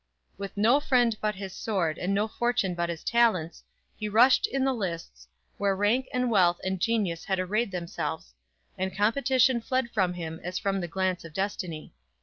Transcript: "With no friend but his sword and no fortune but his talents, he rushed in the lists, where rank and wealth and genius had arrayed themselves; and competition fled from him as from the glance of destiny.